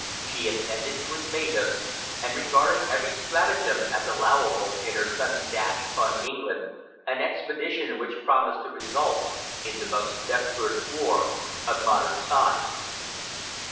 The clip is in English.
She intended to invade us, and regarded every stratagem as allowable in her sudden dash upon England, an expedition which promised to result in the most desperate war of modern times.